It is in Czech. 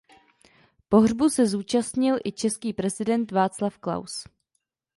Pohřbu se zúčastnil i český prezident Václav Klaus.